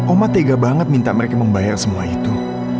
oma tega banget minta mereka membayar semua itu